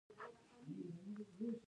له غریب سره مرسته کول لوی ثواب لري.